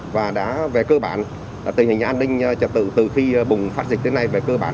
và về cơ bản tình hình an ninh trật tự từ khi bùng phát dịch đến nay